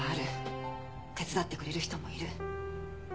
手伝ってくれる人もいる。